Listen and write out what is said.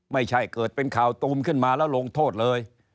ไม่ใช่เกิดเป็นข่าวตูมขึ้นมาแล้วลงโทษเลย